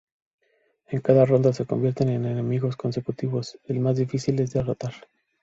En cada ronda se convierten en enemigos consecutivos, el más difícil de derrotar.